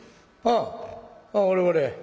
ああ俺俺。